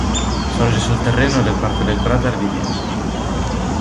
Sorge su di un terreno del parco del Prater di Vienna.